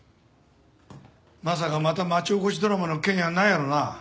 まさかまた町おこしドラマの件やないやろうな？